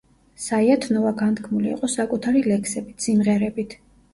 საიათნოვა განთქმული იყო საკუთარი ლექსებით, სიმღერით.